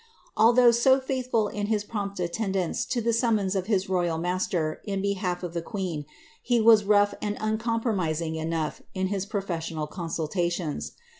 Al* though so faithful in his prompt attendance to the summons of his rcipi master, in behalf of the queen, he was rough and uncompromiiiQI enough in his professional consultations.